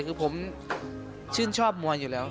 คือผมชื่นชอบมวยอยู่แล้ว